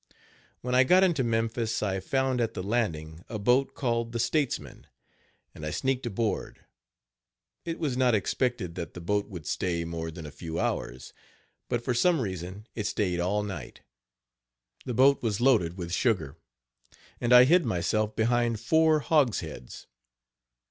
When I got into Memphis, I found at the landing a boat called the Statesman, and I sneaked aboard. It was not expected that the boat would stay more than a few hours, but, for some reason, it stayed all night. Page 81 The boat was loaded with sugar, and I hid myself behind four hogsheads.